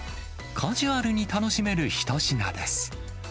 カジュアルに楽しめる一品です。